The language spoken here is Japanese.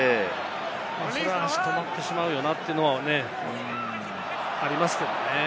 そりゃあ足、止まってしまうよなというのはね、ありますけれどもね。